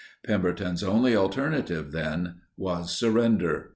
Pemberton's only alternative, then, was surrender.